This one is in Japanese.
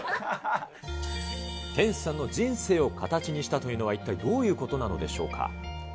店主さんの人生を形にしたというのは、一体どういうことなのでしょうか。